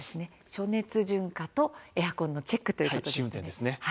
暑熱順化とエアコンのチェックということですね。